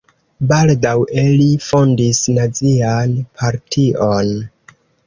Baldaŭe li fondis nazian partion.